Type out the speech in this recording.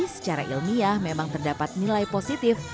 secara ilmiah memang terdapat nilai positif